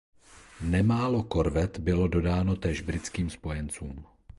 Nemálo korvet bylo dodáno též britským spojencům.